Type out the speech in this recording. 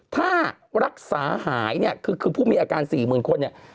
ถ้ารักษาหายคือผู้มีอาการ๔หมื่นคน